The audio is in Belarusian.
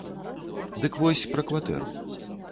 Дык вось пра кватэру.